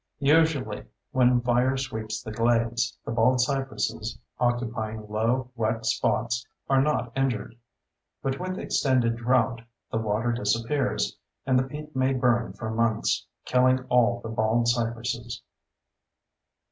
Usually when fire sweeps the glades, the baldcypresses, occupying low, wet spots, are not injured. But with extended drought, the water disappears and the peat may burn for months, killing all the baldcypresses.